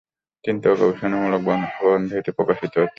চিন্তা ও গবেষণামূলক প্রবন্ধ এতে প্রকাশিত হত।